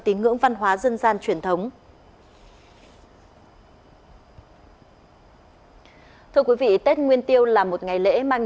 tín ngưỡng văn hóa dân gian truyền thống ừ ừ anh thưa quý vị tết nguyên tiêu là một ngày lễ mang